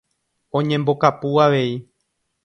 Oñembokapu avei.